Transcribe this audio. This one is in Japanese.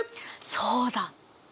そうだ！